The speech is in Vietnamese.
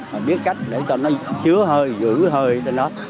và biết cách để cho nó chứa hơi giữ hơi trên đó